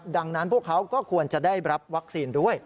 ดังนั้นพวกเขาก็ควรจะได้รับวัคซีนด้วย